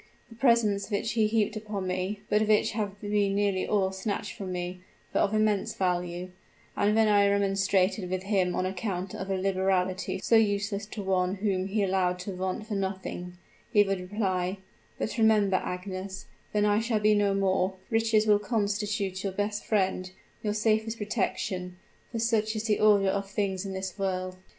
The presents which he heaped upon me, but which have been nearly all snatched from me, were of immense value; and when I remonstrated with him on account of a liberality so useless to one whom he allowed to want for nothing, he would reply, 'But remember, Agnes, when I shall be no more, riches will constitute your best friend, your safest protection; for such is the order of things in this world.'